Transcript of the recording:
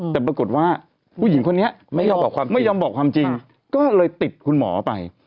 แต่ปรากฏว่าผู้หญิงคนนี้ไม่ยอมบอกความจริงก็เลยติดคุณหมอไป